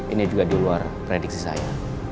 ini juga di luar prediksi saya